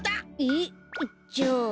えっ？じゃあ。